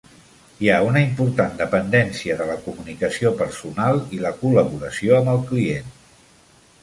Hi ha una important dependència de la comunicació personal i la col·laboració amb el client.